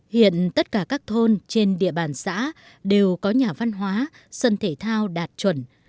hiện tất cả các thôn trên địa bàn xã đều có nhà văn hóa sân thể thao đạt chuẩn